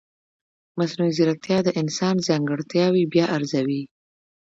مصنوعي ځیرکتیا د انسان ځانګړتیاوې بیا ارزوي.